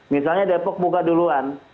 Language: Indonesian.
misalnya depok buka duluan